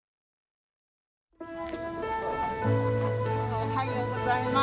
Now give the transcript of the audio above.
おはようございます。